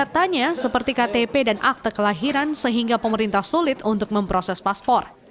terkelahiran sehingga pemerintah sulit untuk memproses paspor